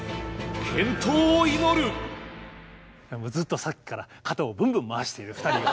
ずっとさっきから肩をぶんぶん回している２人。